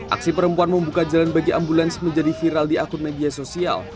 aksi perempuan membuka jalan bagi ambulans menjadi viral di akun media sosial